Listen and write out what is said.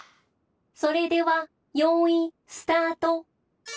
「それではよいスタート！」。